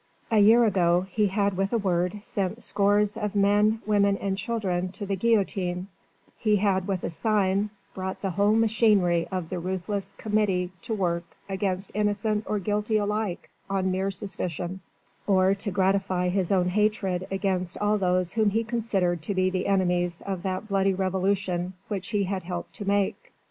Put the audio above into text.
A year ago he had with a word sent scores of men, women and children to the guillotine he had with a sign brought the whole machinery of the ruthless Committee to work against innocent or guilty alike on mere suspicion, or to gratify his own hatred against all those whom he considered to be the enemies of that bloody revolution which he had helped to make.